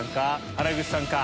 原口さんか？